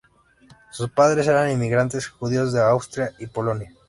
Sus padres eran inmigrantes judíos de Austria y Polonia.